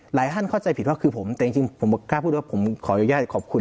หลายท่านเข้าใจผิดว่าคือผมแต่จริงผมกล้าพูดว่าผมขออนุญาตขอบคุณ